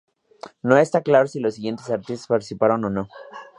No está claro si los siguientes artistas participaron o no.